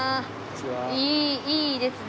いいいいですね